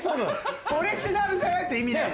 オリジナルじゃないと意味ない。